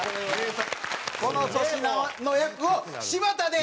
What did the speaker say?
この粗品の役を柴田で！